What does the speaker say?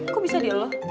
kok bisa dia loh